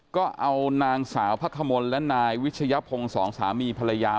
ก็เอานางสาวพระขมลและนายวิชยพงศ์สองสามีภรรยา